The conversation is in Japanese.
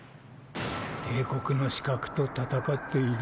帝国の刺客と戦っている。